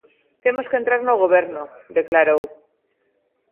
Temos que entrar no Goberno, declarou.